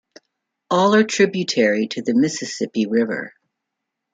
All are tributary to the Mississippi River.